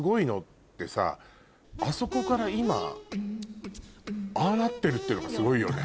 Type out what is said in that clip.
あそこから今ああなってるっていうのがすごいよね。